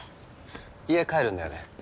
家帰るんだよね？